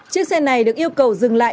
chiếc xe này được yêu cầu dừng lại